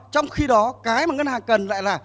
trong khi đó cái mà ngân hàng cần lại là